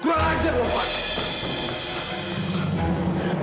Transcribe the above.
kurang ajar van